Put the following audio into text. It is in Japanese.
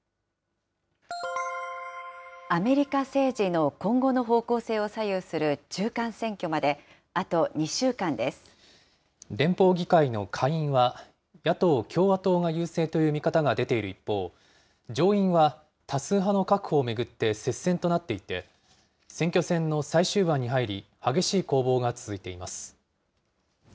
アメリカ政治の今後の方向性を左右する中間選挙まで、あと２週間連邦議会の下院は、野党・共和党が優勢という見方が出ている一方、上院は多数派の確保を巡って接戦となっていて、選挙戦の最終盤に入り、激しい攻防が続いています。